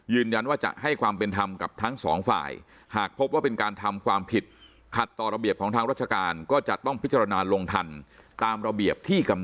ยืนยันว่าจะให้ความเป็นธรรมกับทั้ง๒ฝ่าย